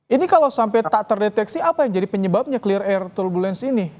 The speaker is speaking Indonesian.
ini kalau sampai tak terdeteksi apa yang jadi penyebabnya clear air turbulence ini